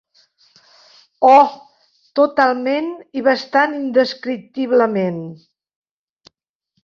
Oh, totalment, i bastant indescriptiblement.